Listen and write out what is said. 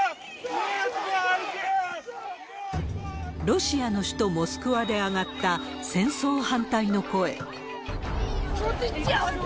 ロシアの首都モスクワで上がった戦争反対の声。